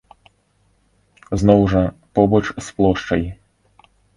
Зноў жа, побач з плошчай.